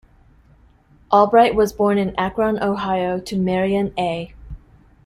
Albright was born in Akron, Ohio, to Marion A.